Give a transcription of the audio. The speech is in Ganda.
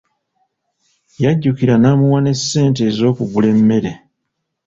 Yajjukira n'amuwa ne ssente ez'okugula emmere.